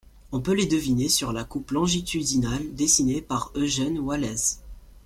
On peut les deviner sur la coupe longitudinale dessinée par Eugène Woillez.